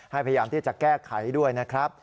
พยายามที่จะแก้ไขด้วยนะครับ